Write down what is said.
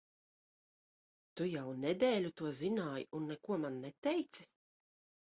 Tu jau nedēļu to zināji, un neko man neteici?